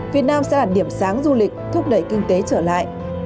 việt nam sẽ là điểm sáng du lịch thúc đẩy kinh tế trở lại